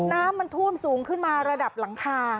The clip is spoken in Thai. น้ำมันท่วมสูงขึ้นมาระดับหลังคา